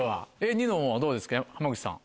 ニノはどうですか浜口さん。